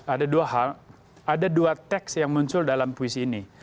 ada dua hal ada dua teks yang muncul dalam puisi ini